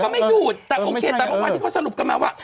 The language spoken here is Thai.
อ๋อไม่ดูดแต่โอเคต้องกลับมาเชื่อนะว่า